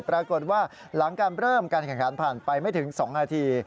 ปรากฏว่าหลังการเริ่มการแข่งขันผ่านไปไม่ถึง๒นาที